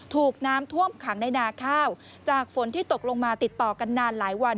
ถูกน้ำท่วมขังในนาข้าวจากฝนที่ตกลงมาติดต่อกันนานหลายวัน